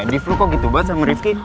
edip lu kok gitu banget sama rifki